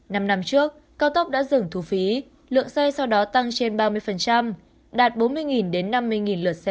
năm năm trước cao tốc đã dừng thu phí lượng xe sau đó tăng trên ba mươi đạt bốn mươi năm mươi lượt xe